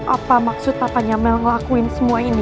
apa maksud papanya mel ngelakuin semua ini